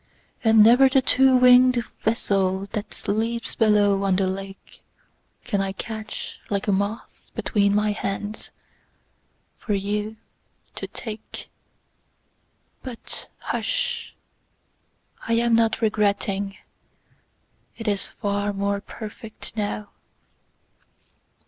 And never the two winged vesselThat sleeps below on the lakeCan I catch like a moth between my handsFor you to take. But hush, I am not regretting:It is far more perfect now.